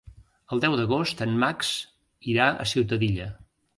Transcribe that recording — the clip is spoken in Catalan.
El deu d'agost en Max irà a Ciutadilla.